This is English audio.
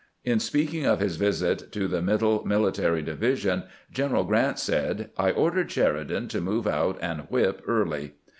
In speaking of his visit to the Middle Military Divi sion, Greneral Grant said :" I ordered Sheridan to move out and whip Early."